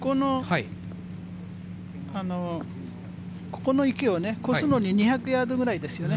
ここの池を越すのに２００ヤードぐらいですよね。